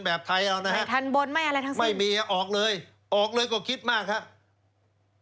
แบบไทยเรานะครับไม่มีออกเลยออกเลยก็คิดมากครับไทยเราทันบนไม่อะไรทั้งสิ้น